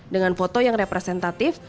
dengan foto yang representatif